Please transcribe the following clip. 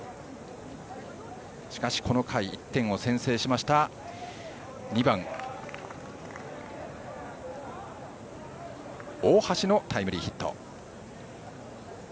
しかしこの回１点を先制しました２番、大橋のタイムリーヒット。